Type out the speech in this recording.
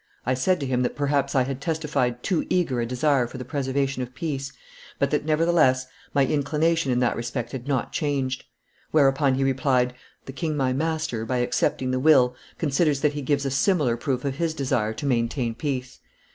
"I said to him that perhaps I had testified too eager a desire for the preservation of peace, but that, nevertheless, my inclination in that respect had not changed. Whereupon he replied, 'The king my master, by accepting the will, considers that he gives a similar proof of his desire to maintain peace.